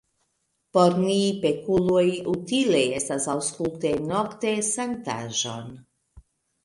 Por ni, pekuloj, utile estas aŭskulti nokte sanktaĵon!